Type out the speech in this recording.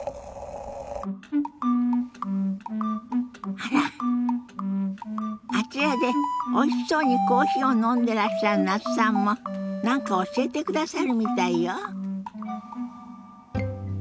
あらあちらでおいしそうにコーヒーを飲んでらっしゃる那須さんも何か教えてくださるみたいよ。